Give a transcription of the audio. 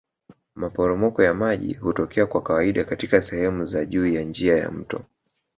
Maporomoko ya maji hutokea kwa kawaida katika sehemu za juu ya njia ya mto